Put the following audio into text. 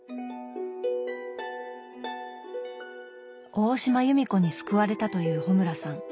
大島弓子に救われたという穂村さん